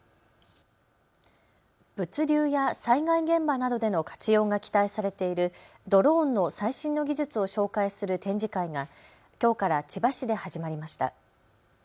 物流や災害現場などでの活用が期待されているドローンの最新の技術を紹介する展示会がきょうから千葉市で始まりました。